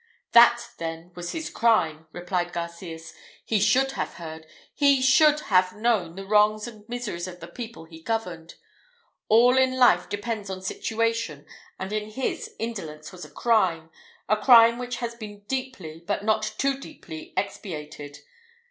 "That, then, was his crime!" replied Garcias. "He should have heard he should have known the wrongs and miseries of the people he governed. All in life depends on situation, and in his, indolence was a crime a crime which has been deeply, but not too deeply expiated.